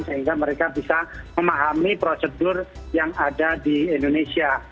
sehingga mereka bisa memahami prosedur yang ada di indonesia